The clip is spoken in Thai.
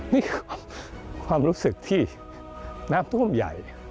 นี่คือความรู้สึกที่น้ำท่วมใหญ่